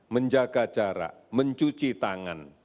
menjaga jarak mencuci tangan